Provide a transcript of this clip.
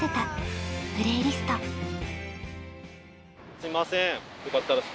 すいません。